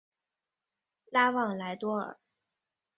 拉旺莱多尔。